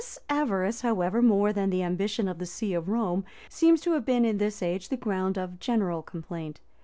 The avarice, however, more than the ambition of the see of Rome, seems to have been in this age the ground of general complaint.